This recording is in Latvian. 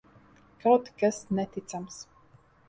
Kaut kas neticams!